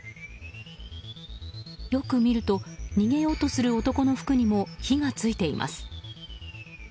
よく見ると逃げようとする男の服にも火が付いています。